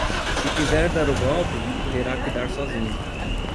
Se quiser dar o golpe, terá que dar sozinho